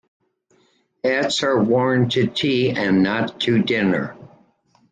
Hats are worn to tea and not to dinner.